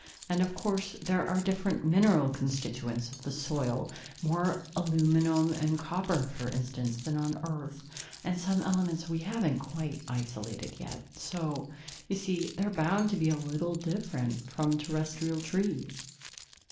And, of course, there are different mineral constituents of the soil more aluminum and copper, for instance, than on Earth, and some elements we haven't quite isolated yet. So, you see, they're bound to be a little different from Terrestrial trees."